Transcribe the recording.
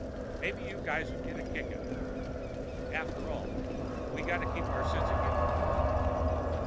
Maybe you guys would get a kick out of it. After all, we got to keep our sense of humor.